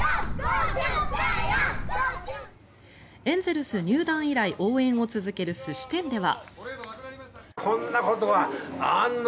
エンゼルス入団以来応援を続ける寿司店では。